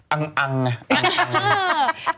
อังไง